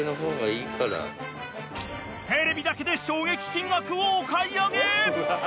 ［テレビだけで衝撃金額をお買い上げ］